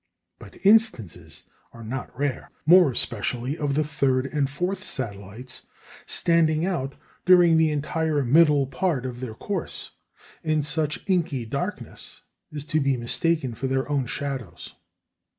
But instances are not rare, more especially of the third and fourth satellites standing out, during the entire middle part of their course, in such inky darkness as to be mistaken for their own shadows.